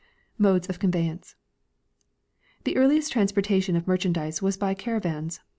Modes of Conveyance. The earliest transportation of merchandise Avas by caravans.